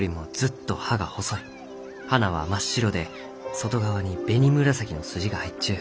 花は真っ白で外側に紅紫の筋が入っちゅう。